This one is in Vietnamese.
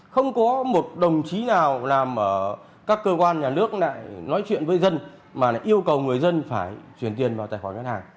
không có một đồng chí nào làm ở các cơ quan nhà nước lại nói chuyện với dân mà lại yêu cầu người dân phải chuyển tiền vào tài khoản ngân hàng